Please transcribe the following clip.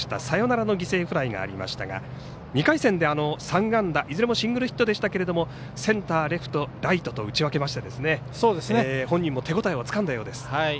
サヨナラの犠牲フライがありましたが２回戦で、３安打いずれもシングルヒットでしたけどセンター、レフト、ライトと打ち分けまして本人も手ごたえをつかんだようです。